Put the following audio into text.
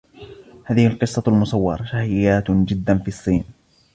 هذه القصة المصورة شهيرة جدا في الصين.